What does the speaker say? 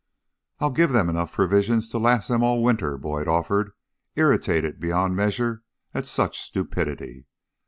"I'll give them enough provisions to last them all winter," Boyd offered, irritated beyond measure at such stupidity.